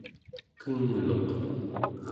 kengluq